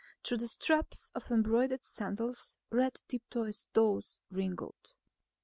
Through the straps of embroidered sandals red tipped toes wriggled.